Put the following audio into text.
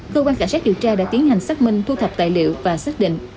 thư quan cảnh sát dự tra đã tiến hành xác minh thu thập tài liệu và xác định